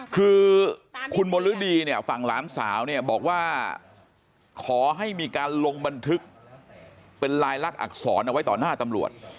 คือคุณมณฤดีเนี่ยฝั่งหลานสาวเนี่ยบอกว่าขอให้มีการลงบันทึกเป็นลายลักษณอักษรเอาไว้ต่อหน้าตำรวจ